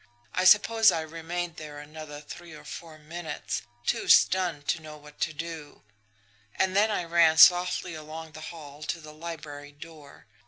I suppose I remained there another three or four minutes, too stunned to know what to do; and then I ran softly along the hall to the library door.